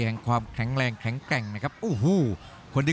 รับทราบบรรดาศักดิ์